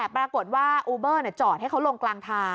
ปรากฏว่าอูเบอร์จอดให้เขาลงกลางทาง